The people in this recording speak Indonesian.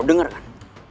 lu denger kan